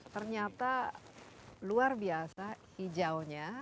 ternyata luar biasa hijaunya